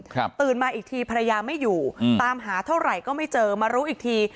ตื่นมาอีกทีภรรยาไม่อยู่อืมตามหาเท่าไหร่ก็ไม่เจอมารู้อีกที